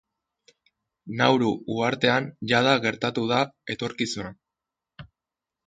Nauru uhartean jada gertatu da etorkizuna.